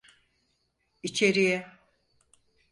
İçeriye.